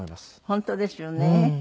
本当ですよね。